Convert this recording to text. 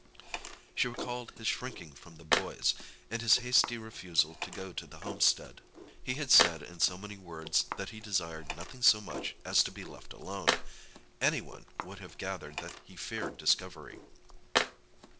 She recalled his shrinking from the boys, and his hasty refusal to go to the homestead. He had said in so many words that he desired nothing so much as to be left alone—any one would have gathered that he feared discovery.